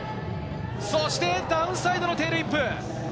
そしてダウンサイドのテールウィップ！